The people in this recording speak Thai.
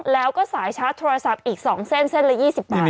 แล้วก็สายชาร์จโทรศัพท์อีก๒เส้นเส้นละ๒๐บาท